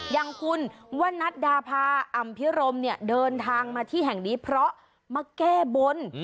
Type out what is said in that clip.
อย่างคุณวันนัดดาพาอำพิรมเนี่ยเดินทางมาที่แห่งนี้เพราะมาแก้บน